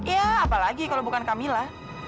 ya apalagi kalau bukan camilla